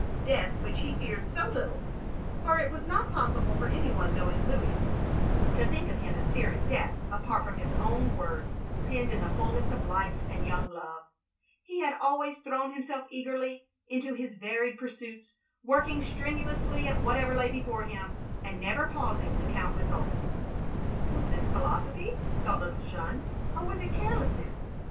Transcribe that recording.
Death which he feared so little; for it was not possible for any one, knowing Louis, to think OP GROSVENOR SQUARE 329 of him as fearing death, apart from his own words penned in the fulness of life and young love. He had always thrown himself eagerly into his varied pursuits, working strenuously at whatever lay before him, and never pausing to count results. Was this philosophy? thought little Jeanne, or was it carelessness?